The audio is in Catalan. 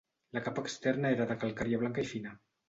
La capa externa era de calcària blanca i fina.